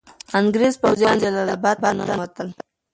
انګریز پوځیان جلال اباد ته ننوتل.